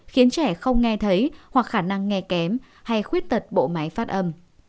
khiến trẻ không nghe thấy hoặc khả năng nghe kém hay khuyết tật bộ máy phát âm